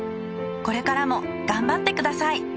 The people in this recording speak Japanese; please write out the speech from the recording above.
これからも頑張ってください。